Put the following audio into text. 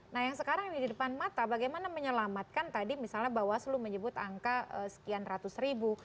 nah yang sekarang ini di depan mata bagaimana menyelamatkan tadi misalnya bawaslu menyebut angka sekian ratus ribu